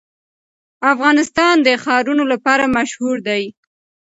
افغانستان د ښارونه لپاره مشهور دی.